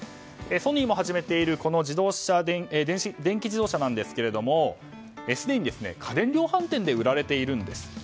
ソニーも始めている電気自動車なんですけどすでに家電量販店で売られているんです。